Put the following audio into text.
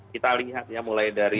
kita lihat ya mulai dari